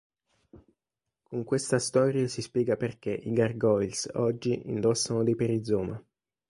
Con questa storia si spiega perché i gargoyles, oggi, indossano dei perizoma.